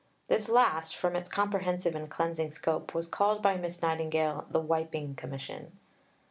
This last, from its comprehensive and cleansing scope, was called by Miss Nightingale "The Wiping Commission."